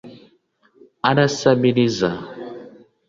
arasabiriza